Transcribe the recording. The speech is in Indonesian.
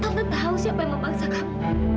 anda tahu siapa yang memaksa kamu